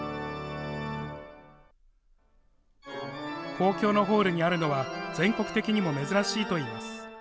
公共のホールにあるのは全国的にも珍しいといいます。